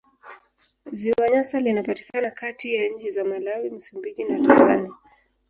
Ziwa Nyasa linapatikana kati ya nchi za Malawi, Msumbiji na Tanzania.